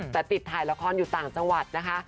แต่ติดถ่ายละครอยู่ต่างจังหวัดนะคะ